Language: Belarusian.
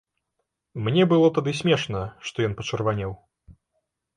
Мне было тады смешна, што ён пачырванеў.